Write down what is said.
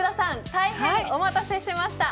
大変お待たせしました。